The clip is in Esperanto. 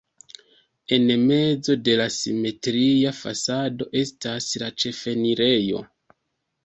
En mezo de la simetria fasado estas la ĉefenirejo.